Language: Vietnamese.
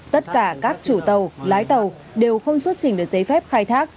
tất cả các chủ tàu lái tàu đều không xuất trình được giấy phép khai thác